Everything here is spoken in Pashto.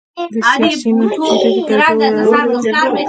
د سیاسینو جدي توجه یې وراړولې وه.